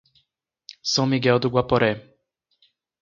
São Miguel do Guaporé